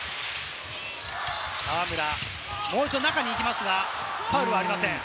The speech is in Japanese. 河村、もう一度中に行きますが、ファウルはありません。